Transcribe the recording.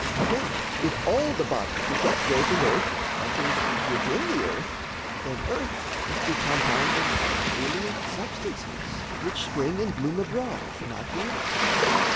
Again, if all the bodies which upgrow From earth, are first within the earth, then earth Must be compound of alien substances. Which spring and bloom abroad from out the earth.